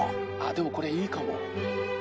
でもこれいいかも。